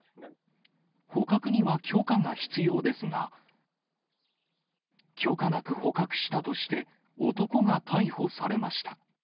捕獲には許可が必要ですが、許可なく捕獲したとして、男が逮捕されました。